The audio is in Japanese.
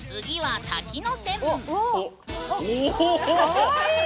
かわいい！